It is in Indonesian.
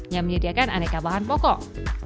yang menyediakan aneka bahan pokok